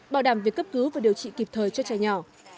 bảo đảm việc cấp cứu và điều trị kịp thời cho trẻ nhỏ